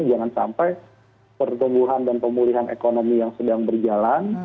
jangan sampai pertumbuhan dan pemulihan ekonomi yang sedang berjalan